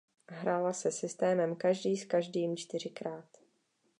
Hrála se systémem každý s každým čtyřikrát.